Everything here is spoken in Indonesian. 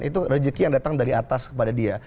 itu rezeki yang datang dari atas kepada dia